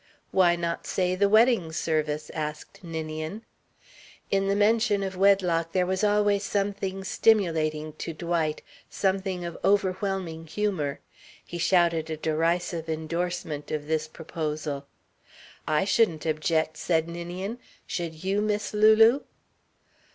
"Why not say the wedding service?" asked Ninian. In the mention of wedlock there was always something stimulating to Dwight, something of overwhelming humour. He shouted a derisive endorsement of this proposal. "I shouldn't object," said Ninian. "Should you, Miss Lulu?"